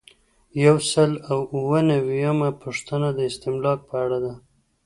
یو سل او اووه نوي یمه پوښتنه د استملاک په اړه ده.